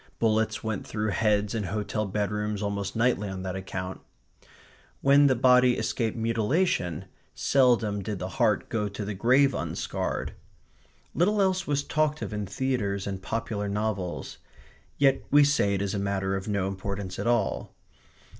Bullets went through heads in hotel bedrooms almost nightly on that account. When the body escaped mutilation, seldom did the heart go to the grave unscarred. Little else was talked of in theatres and popular novels. Yet we say it is a matter of no importance at all.